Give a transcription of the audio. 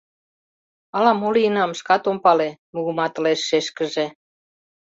Ала-мо лийынам, шкат ом пале, — мугыматылеш шешкыже.